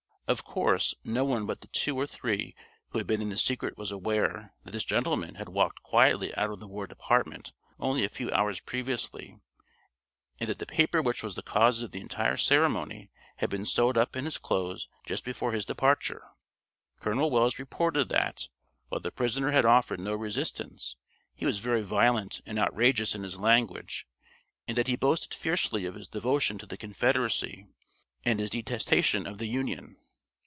Of course, no one but the two or three who had been in the secret was aware that this gentleman had walked quietly out of the War Department only a few hours previously, and that the paper which was the cause of the entire ceremony had been sewed up in his clothes just before his departure. Colonel Wells reported that, while the prisoner had offered no resistance, he was very violent and outrageous in his language, and that he boasted fiercely of his devotion to the Confederacy and his detestation of the Union.